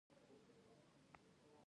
آیا دوی رنګونه او تیل نه جوړوي؟